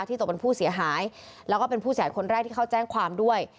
ตกเป็นผู้เสียหายแล้วก็เป็นผู้เสียหายคนแรกที่เขาแจ้งความด้วย